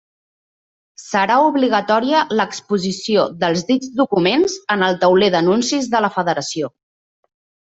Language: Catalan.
Serà obligatòria l'exposició dels dits documents en el tauler d'anuncis de la federació.